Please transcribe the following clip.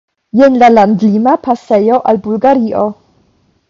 Jen la landlima pasejo al Bulgario.